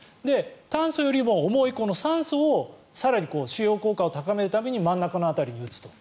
炭素よりも重いこの酸素を更に腫瘍効果を高めるために真ん中の辺りに打つと。